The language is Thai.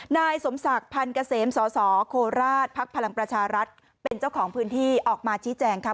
นายสมศักดิ์พันธ์เกษมสสโคราชภักดิ์พลังประชารัฐเป็นเจ้าของพื้นที่ออกมาชี้แจงค่ะ